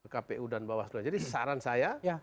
kpu dan bawah seluruh dunia jadi saran saya